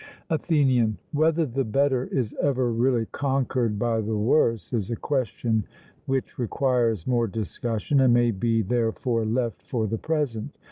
ATHENIAN: Whether the better is ever really conquered by the worse, is a question which requires more discussion, and may be therefore left for the present.